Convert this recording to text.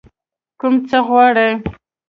کوم څه غواړئ؟